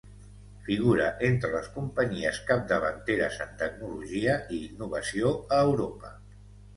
Figura entre les companyies capdavanteres en tecnologia i innovació a Europa.